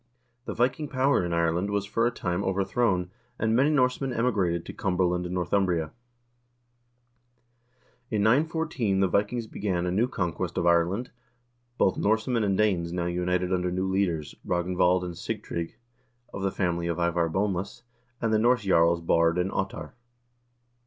The Viking power in Ireland was for a time overthrown, and many Norsemen emigrated to Cumberland and Northumbria. In 914 the Vikings began a new conquest of Ireland ; both Norse men and Danes now united under new leaders, Ragnvald and Sig trygg, of the family of Ivar Boneless, and the Norse jarls Baard and Ottar.